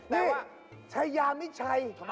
แต่ว่าชายามิชัย